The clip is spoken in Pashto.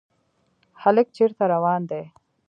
هلک چېرته روان دی ؟